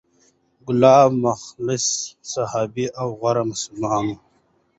کلاب مخلص صحابي او غوره مسلمان و،